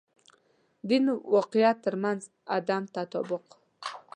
دین واقعیت تر منځ عدم تطابق.